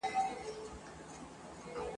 هغوی وویل څښتن چي مو خوشال وي !.